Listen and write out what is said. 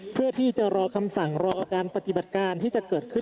เพื่อที่จะรอคำสั่งรอการปฏิบัติการที่จะเกิดขึ้น